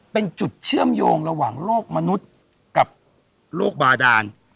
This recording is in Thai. เป็นจุดเชื่อมโยงระหว่างโลกมนุษย์กับโรคบาดาน